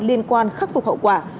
liên quan khắc phục hậu quả